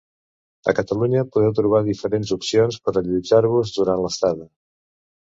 A Catalunya podeu trobar diferents opcions per allotjar-vos durant l'estada.